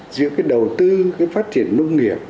giữa cái đầu tư phát triển nông nghiệp